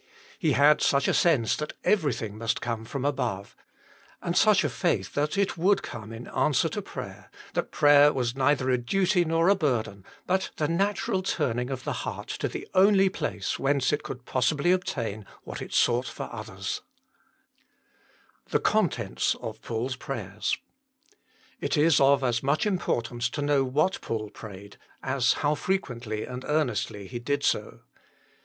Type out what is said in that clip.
He had such a sense that everything must come from above, and such a faith that it would come in answer to prayer, that prayer was neither a duty nor a burden, but the natural turning of the heart to the only place whence it could possibly obtain what it sought for others. 160 THE MINISTRY OF INTERCESSION THE CONTENTS OF PAUL S PRATERS. It is of as much importance to know what Paul prayed, as how frequently and earnestly he did so.